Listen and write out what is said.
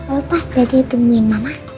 oh lupa dateng ditemuin mama